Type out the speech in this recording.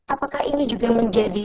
apakah ini juga menjadi